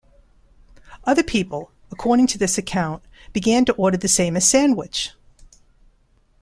Other people, according to this account, began to order the same as Sandwich!